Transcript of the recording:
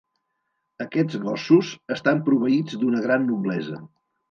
Aquests gossos estan proveïts d'una gran noblesa.